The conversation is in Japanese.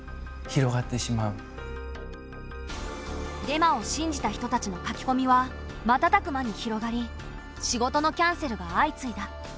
デマを信じた人たちの書き込みはまたたく間に広がり仕事のキャンセルが相次いだ。